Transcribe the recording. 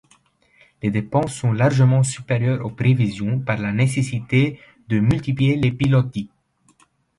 Les dépenses sont largement supérieures aux prévisions par la nécessité de multiplier les pilotis.